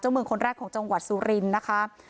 เมืองคนแรกของจังหวัดสุรินทร์นะคะ